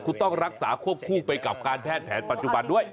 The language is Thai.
คุณต้องรักษาควบคู่ไปกับการแพทย์แผนปัจจุบันด้วย